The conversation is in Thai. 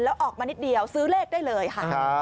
แล้วออกมานิดเดียวซื้อเลขได้เลยค่ะ